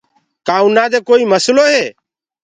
کآ اُنآ دي ڪوئي نسلو هي۔